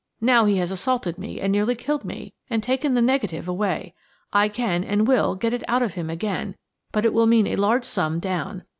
Now he has assaulted me and nearly killed me, and taken the negative away. I can, and will, get it out of him again, but it will mean a large sum down.